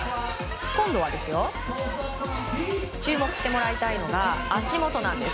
今度、注目してもらいたいのは足元なんです。